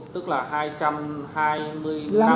tức là hai trăm hai mươi tám m hai